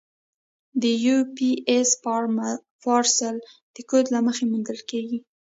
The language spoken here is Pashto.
د یو پي ایس پارسل د کوډ له مخې موندل کېږي.